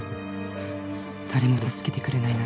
「誰も助けてくれない中」